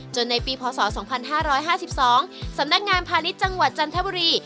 ในปีพศ๒๕๕๒สำนักงานพาณิชย์จังหวัดจันทบุรี